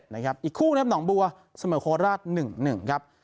นะครับอีกคู่นะครับหน่องบัวสมโฆษราชหนึ่งหนึ่งครับ